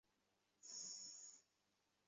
এসব কি গতকাল থেকে হয়েছে?